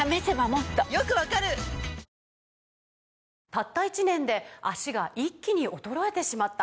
「たった１年で脚が一気に衰えてしまった」